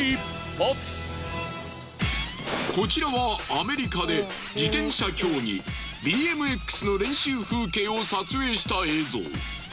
こちらはアメリカで自転車競技ＢＭＸの練習風景を撮影した映像。